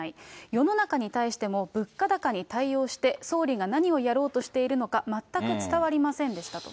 世の中に対しても物価高に対応して、総理が何をやろうとしているのか、全く伝わりませんでしたと。